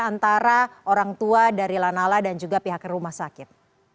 antara orang tua dari lanala dan juga pihak rumah sakit